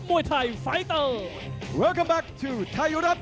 สวัสดีครับสวัสดีครับ